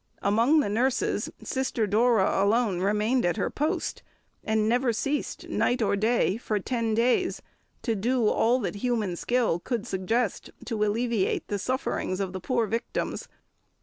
Among the nurses Sister Dora alone remained at her post, and never ceased night or day for ten days to do all that human skill could suggest to alleviate the sufferings of the poor victims.